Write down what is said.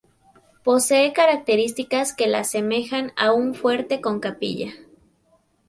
Posee características que la asemejan a un fuerte con capilla.